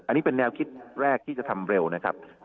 อันนี้เป็นแนวคิดแรกที่จะทำเร็วนะครับ